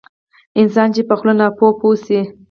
انسان چې په خپلې ناپوهي پوه شي.